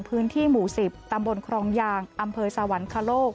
พื้นที่หมู่๑๐ตำบลครองยางอำเภอสวรรคโลก